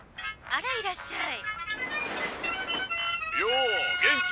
「あらいらっしゃい」。